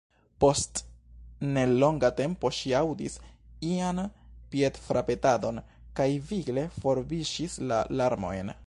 Post ne longa tempo ŝi aŭdis ian piedfrapetadon, kaj vigle forviŝis la larmojn.